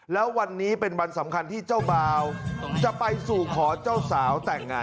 แล้ววันนี้เป็นวันสำคัญที่เจ้าบ่าวจะไปสู่ขอเจ้าสาวแต่งงาน